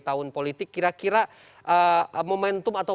tahun politik kira kira momentum atau